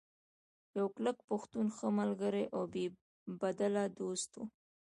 يو کلک پښتون ، ښۀ ملګرے او بې بدله دوست وو